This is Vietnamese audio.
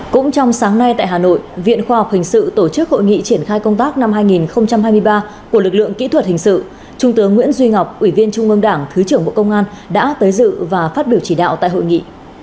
cũng trong sáng nay tại hà nội viện khoa học hình sự tổ chức hội nghị triển khai công tác năm hai nghìn hai mươi ba của lực lượng kỹ thuật hình sự trung tướng nguyễn duy ngọc ủy viên trung ương đảng thứ trưởng bộ công an đã tới dự và phát biểu chỉ đạo tại hội nghị